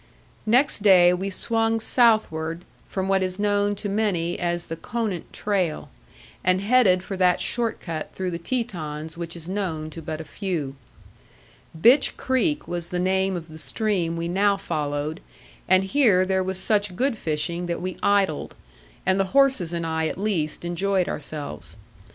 Next day we swung southward from what is known to many as the Conant trail, and headed for that short cut through the Tetons which is known to but a few. Bitch Creek was the name of the stream we now followed, and here there was such good fishing that we idled; and the horses and I at least enjoyed ourselves.